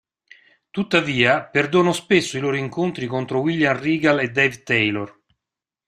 Tuttavia, perdono spesso i loro incontri contro William Regal e Dave Taylor.